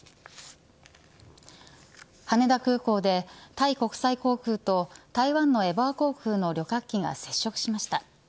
羽田空港でタイ国際航空と台湾のエバー航空の旅客機が接触しました。